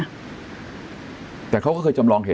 คุณแม่ก็ไม่อยากคิดไปเองหรอก